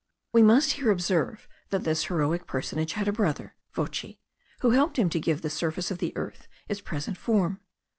We must here observe, that this heroic personage had a brother, Vochi, who helped him to give the surface of the earth its present form.